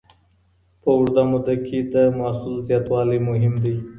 په اوږده موده کي د محصول زیاتوالی مهم دی.